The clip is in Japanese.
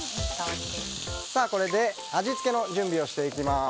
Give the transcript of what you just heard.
これで味付けの準備をしていきます。